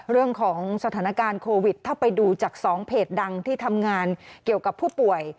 เรื่องของสถานการณ์โควิดถ้าไปดูจาก๒เพจดังที่ทำงานเกี่ยวกับผู้ป่วย